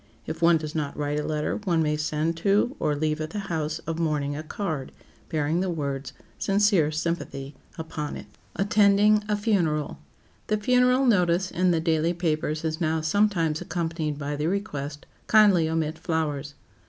If one does not write a letter, one may send to or leave at the house of mourning a card, bearing the words, "Sincere sympathy," upon it. [Sidenote: ATTENDING A FUNERAL] The funeral notice in the daily papers is now sometimes accompanied by the request, "Kindly omit flowers."